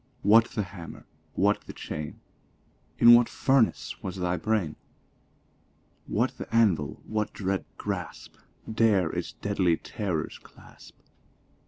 What the hammer? what the chain? In what furnace was thy brain? What the anvil? what dread grasp Dare its deadly terrors clasp?